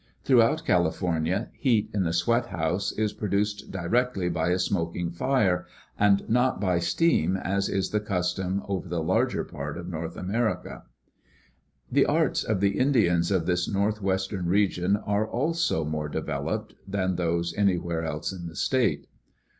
Throughout California heat in the sweat hous^ is produced directly by a smoking fire, and not by steam as is the custom over the larger part of North America. The arts of the Indians of this northwestern region are also VOL. 2.] Kroeber. Types of Indian Culture in California. 87 more developed than those anywhere else in the state.